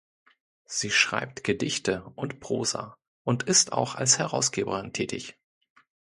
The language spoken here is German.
Sie schreibt Gedichte und Prosa und ist auch als Herausgeberin tätig.